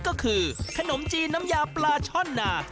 ก็คือขนมจีนน้ำยาปลาช่อนนา